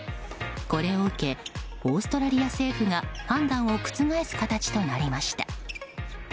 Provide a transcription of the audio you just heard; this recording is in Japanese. これを受けオーストラリア政府が判断を覆す形となりました。